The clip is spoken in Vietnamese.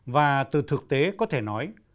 và từ thực tế có thể nói